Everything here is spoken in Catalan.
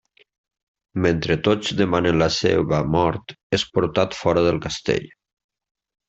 Mentre tots demanen la seva mort és portat fora del castell.